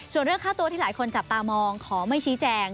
ส่วนเรื่องค่าตัวที่หลายคนจับตามองขอไม่ชี้แจง